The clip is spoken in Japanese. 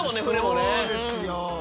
そうですよ。